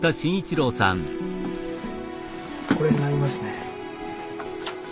これになりますね。